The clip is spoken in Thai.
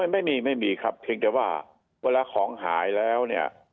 ไม่มีไม่มีครับเพียงแต่ว่าเวลาของหายแล้วเนี่ย